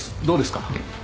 どうですか？